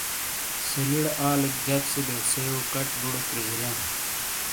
سیلِی ڑے آلیک جک سے دیوسیئو کچ بُوڑو کریجاریئاں۔